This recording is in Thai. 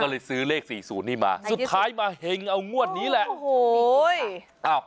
ก็เลยซื้อเลขสี่ศูนย์นี้มาสุดท้ายมาเห็งเอางวดนี้แหละโอ้โหอ้าว